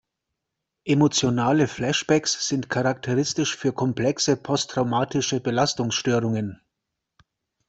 Emotionale Flashbacks sind charakteristisch für komplexe posttraumatische Belastungsstörungen.